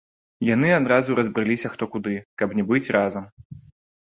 Яны адразу разбрыліся хто куды, каб не быць разам.